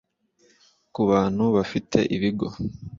Ku bantu bafite ibigo